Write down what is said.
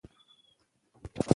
پوهه د بریالیتوب کیلي ده.